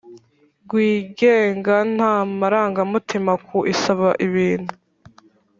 Ryigenga nta marangamutima ku isaba ibintu